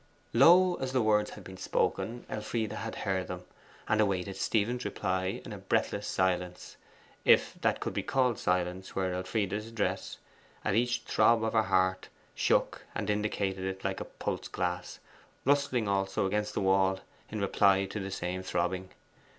Low as the words had been spoken, Elfride had heard them, and awaited Stephen's reply in breathless silence, if that could be called silence where Elfride's dress, at each throb of her heart, shook and indicated it like a pulse glass, rustling also against the wall in reply to the same throbbing.